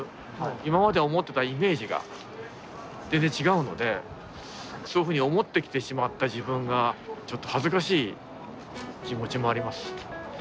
今まで思ってたイメージが全然違うのでそういうふうに思ってきてしまった自分がちょっと恥ずかしい気持ちもあります。